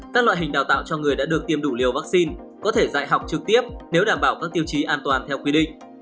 các loại hình đào tạo cho người đã được tiêm đủ liều vaccine có thể dạy học trực tiếp nếu đảm bảo các tiêu chí an toàn theo quy định